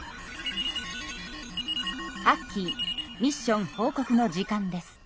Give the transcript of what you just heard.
アッキーミッション報告の時間です。